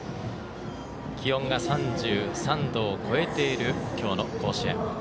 気温が３３度を超えている今日の甲子園。